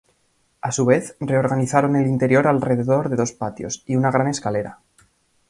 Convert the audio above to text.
A su vez, reorganizaron el interior alrededor de dos patios y una gran escalera.